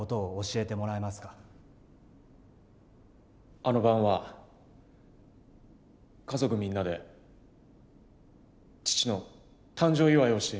あの晩は家族みんなで父の誕生祝をしていました。